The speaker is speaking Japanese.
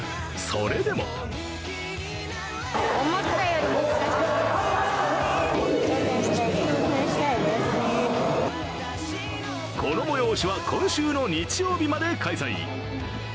それでもこの催しは今週の日曜日まで開催。